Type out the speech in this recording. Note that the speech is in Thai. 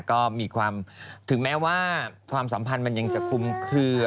ก็มีความถึงแม้ว่าความสัมพันธ์มันยังจะคุ้มเคลือ